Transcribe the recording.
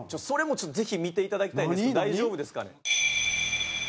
それもちょっとぜひ見ていただきたいんですけど大丈夫ですかね。